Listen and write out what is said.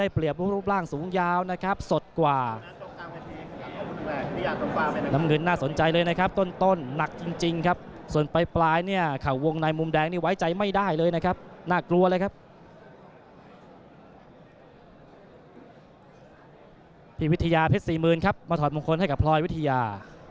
วิทยาเพชร๔๐๐๐ครับมาถอดมงคลให้กับพลอยวิทยา